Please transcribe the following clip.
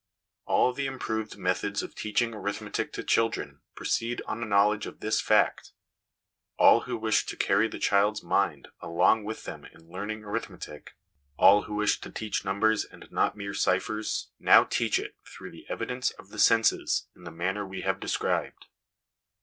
All the improved methods of teaching arithmetic to children proceed on a knowledge of this fact. All who wish to carry 262 HOME EDUCATION the child's mind along with them in learning arithmetic, all who wish to teach numbers and not mere ciphers, now teach it through the evidence of the senses in the manner we have described."